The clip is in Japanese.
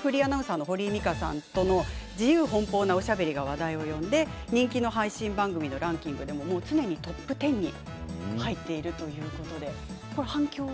フリーアナウンサーの堀井美香さんと自由奔放なおしゃべりが話題を呼んで人気の配信番組のランキングでも常にトップ１０に入っているということなんですね。